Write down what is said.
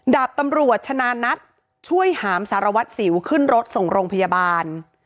ดาบตำรวจชนะนัทช่วยหามสารวัตรสิวขึ้นรถส่งโรงพยาบาล